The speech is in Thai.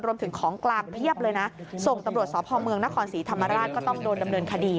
รวมถึงของกลางเพียบเลยนะ